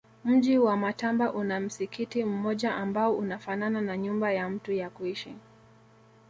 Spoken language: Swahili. Mji wa Matamba una msikiti mmoja ambao unafanana na nyumba ya mtu ya kuishi